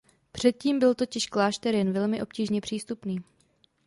Předtím byl totiž klášter jen velmi obtížně přístupný.